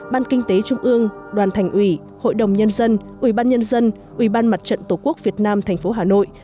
ban kinh tế trung ương đoàn thành ủy hội đồng nhân dân ủy ban nhân dân ủy ban mặt trận tổ quốc việt nam tp hà nội